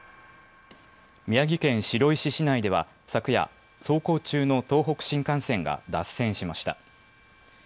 宮城県白石市内では昨夜、走行中の東北新幹線が脱線しました。